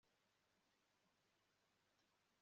kwamburwa uruhushya rwo gutwara